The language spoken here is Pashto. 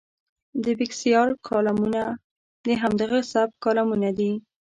د بېکسیار کالمونه د همدغه سبک کالمونه دي.